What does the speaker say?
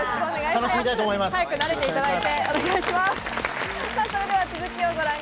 楽しみたいと思います。